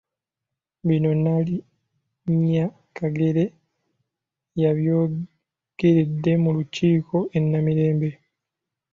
Bino Nnaalinnya Kagere yabyogeredde mu Lutikko e Namirembe.